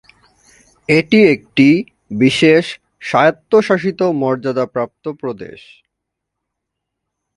এটি একটি বিশেষ স্বায়ত্তশাসিত মর্যাদাপ্রাপ্ত প্রদেশ।